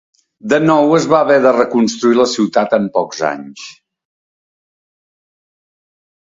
De nou es va haver de reconstruir la ciutat en pocs anys.